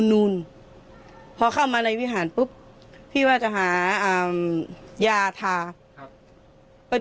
นูนพอเข้ามาในวิหารปุ๊บพี่ว่าจะหาอ่ายาทาครับเป็น